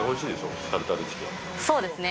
そうですね。